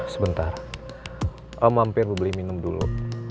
sebentar om hampir bebeli minum dulu